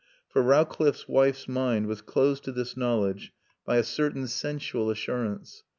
For Rowcliffe's wife's mind was closed to this knowledge by a certain sensual assurance.